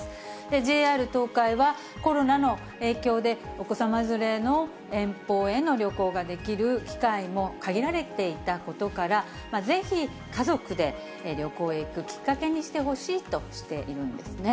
ＪＲ東海は、コロナの影響でお子さま連れの遠方への旅行ができる機会も限られていたことから、ぜひ家族で旅行へ行くきっかけにしてほしいとしているんですね。